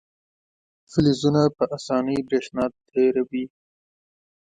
فلزونه په اسانۍ برېښنا تیروي.